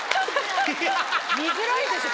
見づらいでしょ